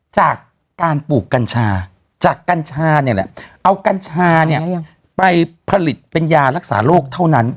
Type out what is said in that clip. จากการปลูกกัญชาจากกัญชาเนี่ยแหละเอากัญชาเนี่ยไปผลิตเป็นยารักษาโรคเท่านั้น